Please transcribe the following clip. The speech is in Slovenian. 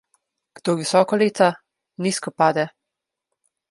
Kdor visoko leta, nizko pade.